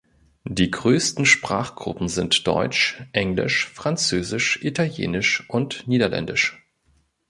Die größten Sprachgruppen sind Deutsch, Englisch, Französisch, Italienisch und Niederländisch.